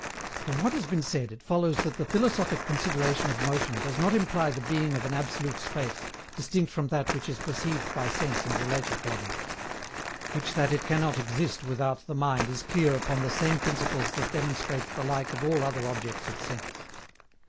From what has been said it follows that the philosophic consideration of motion does not imply the being of an absolute Space, distinct from that which is perceived by sense and related bodies; which that it cannot exist without the mind is clear upon the same principles that demonstrate the like of all other objects of sense.